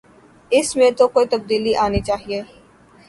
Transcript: اس میں تو کوئی تبدیلی آنی چاہیے۔